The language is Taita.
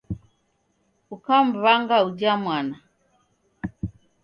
Ukamwangaa uja mwana